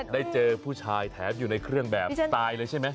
ได้เจอผู้ชายแทบอยู่ในเครื่องแบบตายแล้วใช่ไหม